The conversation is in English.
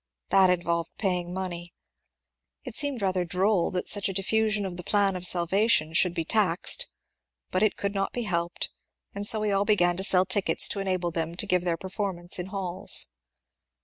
That involved paying money. It seemed rather droll that such a diffusion of the plan of salvation should be taxed, but it could not be helped, and so we all began to sell tickets to enable them to give their performance in halls.